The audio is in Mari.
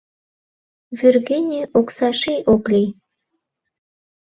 Вӱргене окса ший ок лий.